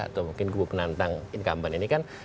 atau mungkin kubu penantang incumbent ini kan